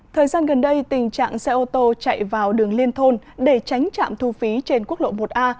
thời gian gần đây tình trạng xe ô tô chạy vào đường liên thôn để tránh trạm thu phí trên quốc lộ một a